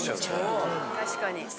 確かに。